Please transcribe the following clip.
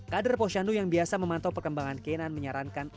kader posyandu yang biasa memantau perkembangan kenan menyarankan